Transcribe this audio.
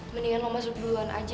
mendingan mau masuk duluan aja